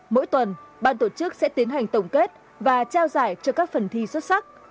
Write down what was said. mỗi tuần ban tổ chức sẽ tiến hành tổng kết và trao giải cho các phần thi xuất sắc